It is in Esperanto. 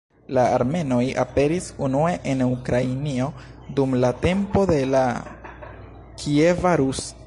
La armenoj aperis unue en Ukrainio dum la tempo de la Kieva Rus.